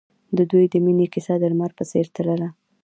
د دوی د مینې کیسه د لمر په څېر تلله.